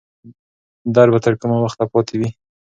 درد به تر کومه وخته پاتې وي؟